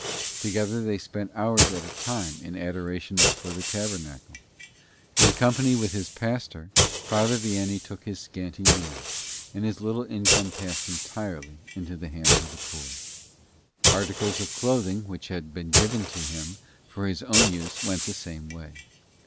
Together they spent hours at a time in adoration before the Tabernacle. In company with his pastor, Father Vianney took his scanty meal, and his little income passed entirely into the hands of the poor. Articles of clothing which had been given to him for his own use went the same way.